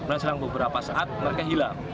dan selama beberapa saat mereka hilang